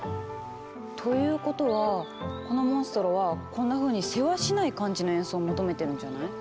ということはこのモンストロはこんなふうにせわしない感じの演奏を求めてるんじゃない？